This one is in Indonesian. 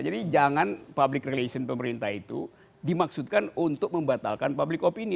jadi jangan public relation pemerintah itu dimaksudkan untuk membatalkan public opinion